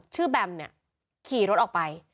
แบมเนี่ยขี่รถออกไป